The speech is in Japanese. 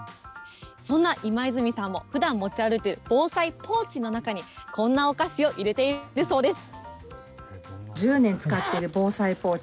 そんな今泉さんも、ふだん持ち歩く防災ポーチの中に、こんなお菓子を入れているそうです。